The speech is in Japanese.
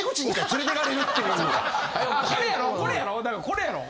これやろ？